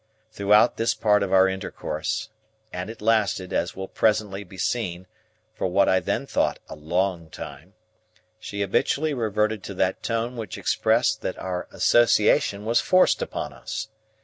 Throughout this part of our intercourse,—and it lasted, as will presently be seen, for what I then thought a long time,—she habitually reverted to that tone which expressed that our association was forced upon us.